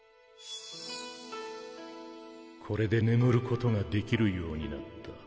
これで眠ることが出来るようになった。